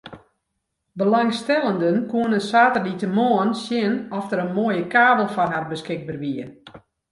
Belangstellenden koene saterdeitemoarn sjen oft der in moaie kavel foar har beskikber wie.